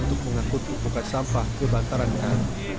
untuk mengakut tumpukan sampah kebantaran kali